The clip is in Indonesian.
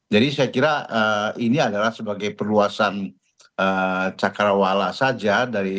jadi saya kira ini adalah sebagai perluasan cakrawala saja